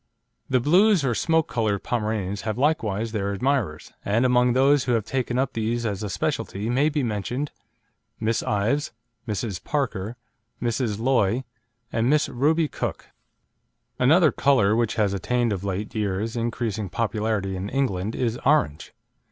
The blues, or smoke coloured Pomeranians, have likewise their admirers, and among those who have taken up these as a speciality may be mentioned Miss Ives, Mrs. Parker, Mrs. Loy, and Miss Ruby Cooke. Another colour which has attained of late years increasing popularity in England is orange.